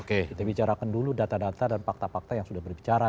kita bicarakan dulu data data dan fakta fakta yang sudah berbicara